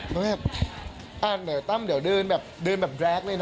ฝึงให้เราเดินแบบแบลค